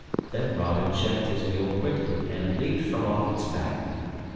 Then Robin checked his mule quickly and leaped from off its back.